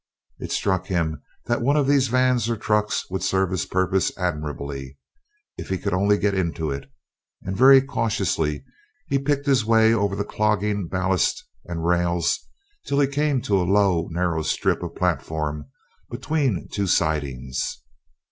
It struck him that one of these vans or trucks would serve his purpose admirably, if he could only get into it, and very cautiously he picked his way over the clogging ballast and rails, till he came to a low narrow strip of platform between two sidings.